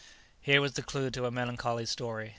Here was the clue to a melancholy story.